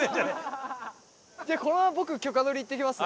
じゃあこのまま僕許可取り行ってきます。